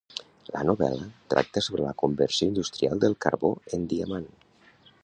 La novel·la tracta sobre la conversió industrial del carbó en diamant.